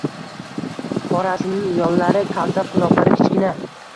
Qorasining yollari kalta, quloqlari kichkina